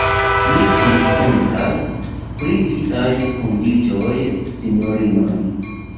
Mi konsentas pri viaj kondiĉoj, sinjorinoj.